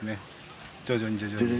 徐々に徐々に。